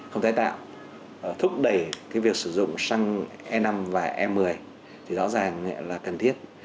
không tái tạo thúc đẩy cái việc sử dụng xăng e năm và e một mươi thì rõ ràng là cần thiết